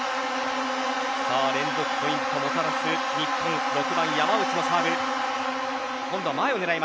連続ポイントをもたらす、日本６番山内のサーブ。